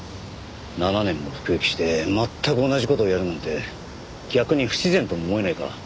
７年も服役して全く同じ事をやるなんて逆に不自然とも思えないか？